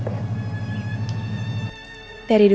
tapi ruangnya gak seperti ini